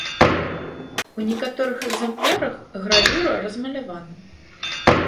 У некаторых экзэмплярах гравюра размалявана.